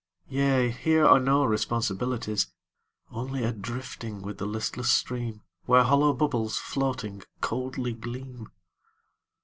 Yea, here are no responsibilities. Only a drifting with the listless stream Where hollow bubbles, floating, coldly gleam.